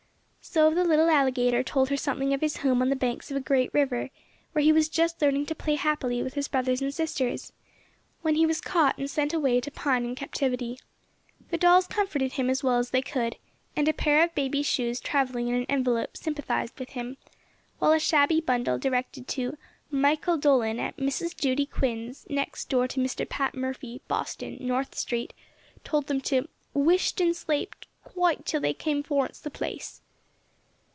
So the little alligator told her something of his home on the banks of a great river, where he was just learning to play happily with his brothers and sisters, when he was caught and sent away to pine in captivity. The dolls comforted him as well as they could, and a pair of baby's shoes travelling in an envelope sympathized with him, while a shabby bundle directed to "Michael Dolan, at Mrs. Judy Quin's, next door to Mr. Pat Murphy, Boston, North street," told them to "Whisht and slape quite till they came forninst the place."